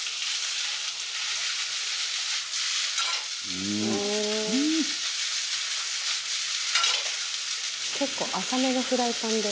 藤本：結構浅めのフライパンで。